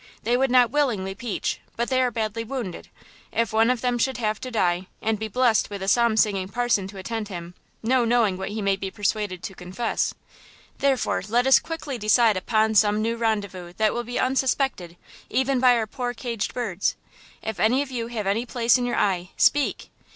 They would not willingly peach, but they are badly wounded. if one of them should have to die, and be blessed with a psalm singing parson to attend him, no knowing what he may be persuaded to confess! Therefore, let us quickly decide upon some new rendezvous that will be unsuspected, even by our poor caged birds! If any of you have any place in your eye, speak!"